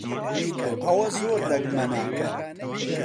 ئەوە زۆر دەگمەنە.